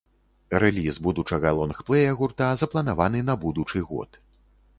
Рэліз будучага лонгплэя гурта запланаваны на будучы год.